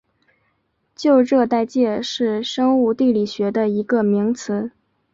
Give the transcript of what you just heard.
旧热带界是生物地理学的一个名词。